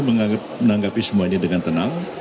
menanggapi semua ini dengan tenang